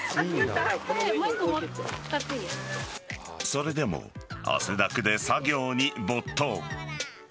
それでも、汗だくで作業に没頭。